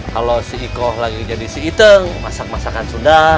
kalau si ikoh lagi jadi si iteng masak masakan sunda